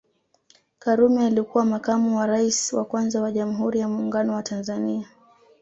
Karume alikuwa makamu wa rais wa kwanza wa Jamhuri ya Muungano wa Tanzania